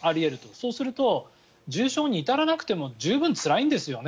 そうすると、重症に至らなくても十分つらいんですよね。